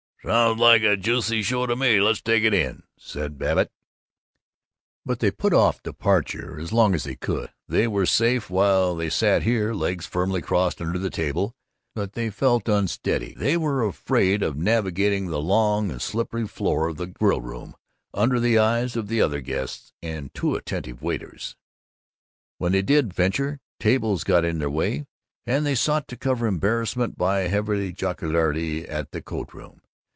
"Sounds like a juicy show to me. Let's all take it in," said Babbitt. But they put off departure as long as they could. They were safe while they sat here, legs firmly crossed under the table, but they felt unsteady; they were afraid of navigating the long and slippery floor of the grillroom under the eyes of the other guests and the too attentive waiters. When they did venture, tables got in their way, and they sought to cover embarrassment by heavy jocularity at the coatroom.